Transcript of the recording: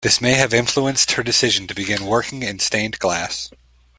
This may have influenced her decision to begin working in stained glass.